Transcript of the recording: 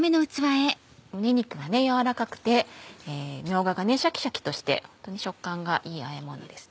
胸肉は軟らかくてみょうががシャキシャキとしてホントに食感がいいあえものです。